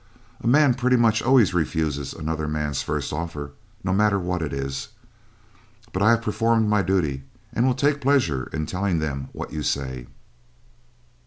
A man pretty much always refuses another man's first offer, no matter what it is. But I have performed my duty, and will take pleasure in telling them what you say."